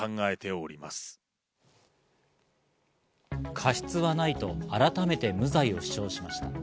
過失はないと改めて無罪を主張しました。